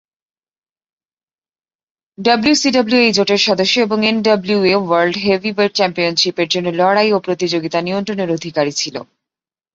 WCW এই জোটের সদস্য এবং "এনডাব্লিউএ ওয়ার্ল্ড হেভিওয়েট চ্যাম্পিয়নশিপ-"এর জন্য লড়াই ও প্রতিযোগিতা নিয়ন্ত্রণের অধিকারী ছিল।